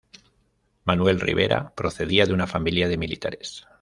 Manuel Rivera procedía de una familia de militares.